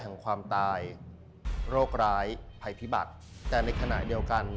ในขณะเดียวกัน